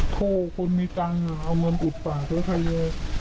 โทคนมีจังเอาเงินอุดปากใครเลย